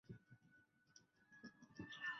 卷首还介绍孟德斯鸠的生平事迹。